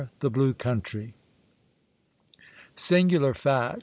THE BLUE COUNTRY. Singular fact